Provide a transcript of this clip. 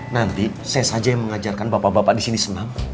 nanti saya saja yang mengajarkan bapak bapak disini senam